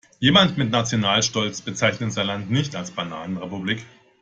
Jemand mit Nationalstolz bezeichnet sein Land nicht als Bananenrepublik.